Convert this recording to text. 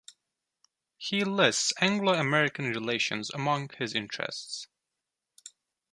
He lists Anglo-American relations among his interests.